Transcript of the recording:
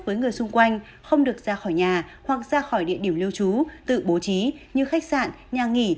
với người xung quanh không được ra khỏi nhà hoặc ra khỏi địa điểm lưu trú tự bố trí như khách sạn nhà nghỉ